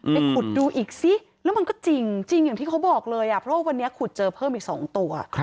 ขุดดูอีกซิแล้วมันก็จริงอย่างที่เขาบอกเลยเพราะว่าวันนี้ขุดเจอเพิ่มอีก๒ตัว